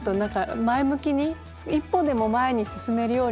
前向きに一歩でも前に進めるように。